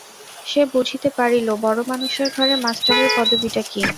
সে বুঝিতে পারিল, বড়ো মানুষের ঘরে মাস্টারের পদবীটা কী।